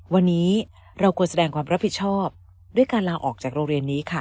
วันนี้เราควรแสดงความรับผิดชอบด้วยการลาออกจากโรงเรียนนี้ค่ะ